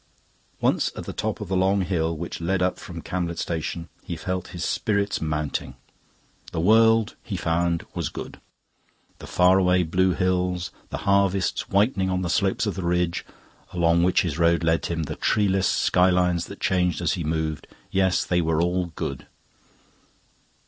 Once at the top of the long hill which led up from Camlet station, he felt his spirits mounting. The world, he found, was good. The far away blue hills, the harvests whitening on the slopes of the ridge along which his road led him, the treeless sky lines that changed as he moved yes, they were all good.